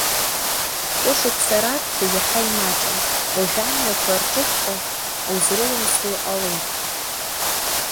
Хә-шықәса раԥхьа иаҳа имаҷын, уажә амҩақәа рҿыҵәҟьа узрылымсуа иҟалеит.